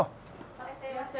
いらっしゃいませ。